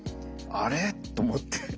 あれ？と思って。